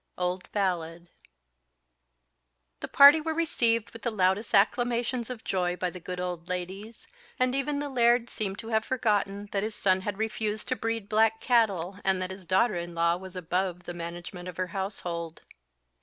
Old Ballad. THE party were received with the loudest acclamations of joy by the good old ladies; and even the Laird seemed to have forgotten that his son had refused to breed black cattle, and that his daughter in law was above the management of her household.